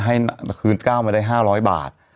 ให้คืน๙มาได้๕๐๐บาท